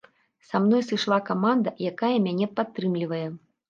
Са мной сышла каманда, якая мяне падтрымлівае.